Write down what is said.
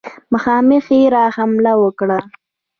مخامخ یې را حمله وکړه.